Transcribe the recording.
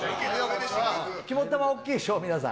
肝っ玉大きいでしょ、皆さん。